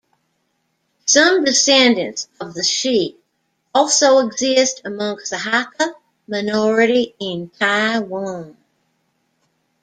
Some descendants of the She also exist amongst the Hakka minority in Taiwan.